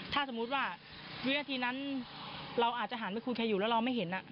ถ้าสมมุติว่าวินาทีนั้นเราอาจจะหันไปคุยใครอยู่แล้วเราไม่เห็น